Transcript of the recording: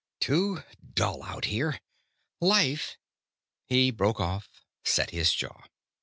"Too dull out here. Life " He broke off, set his jaw.